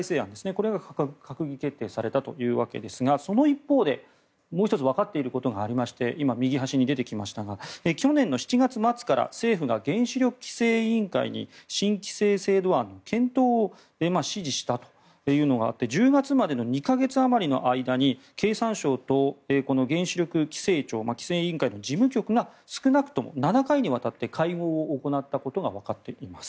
これが閣議決定されたというわけですがその一方で、もう１つわかっていることがありまして今、右端に出てきましたが去年の７月末から政府が原子力規制委員会に新規制制度案の検討を指示したというのがあって１０月までの２か月あまりの間に経産省と原子力規制庁規制委員会の事務局が少なくとも７回にわたって会合を行ったことがわかっています。